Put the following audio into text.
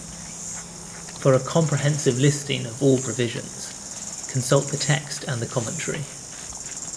For a comprehensive listing of all provisions, consult the text and the commentary.